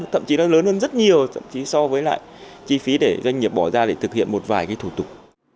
thậm chí nó lớn hơn rất nhiều so với lại chi phí để doanh nghiệp bỏ ra để thực hiện một vài cái thủ tục